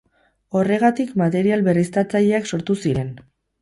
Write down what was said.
Horregatik material berriztatzaileak sortu ziren.